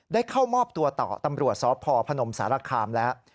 เข้ามอบตัวต่อตำรวจสพพนมสารคามแล้ว